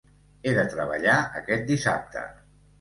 He de treballar aquest dissabte.